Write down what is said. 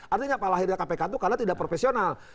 artinya apa lahirnya kpk itu karena tidak profesional